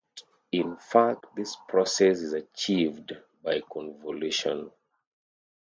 In fact, this process is achieved by convolution.